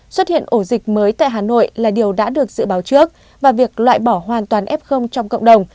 xuất hiện ổ dịch mới tại hà nội là điều đã được dự báo trước và việc loại bỏ hoàn toàn f trong cộng đồng